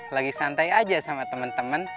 lagi santai aja sama temen temen